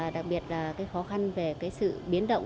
đặc biệt là cái khó khăn về cái sự biến động